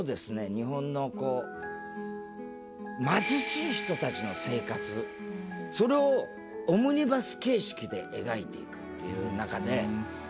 日本のこう貧しい人たちの生活それをオムニバス形式で描いていくっていう中で。